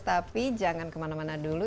tapi jangan kemana mana dulu